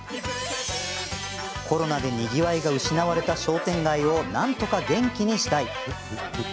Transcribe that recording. コロナでにぎわいが失われた商店街をなんとか元気にしたい。